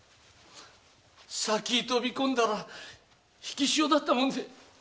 先に飛び込んだら引き潮だったもんで。